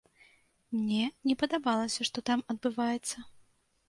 Мне не падабалася, што там адбываецца.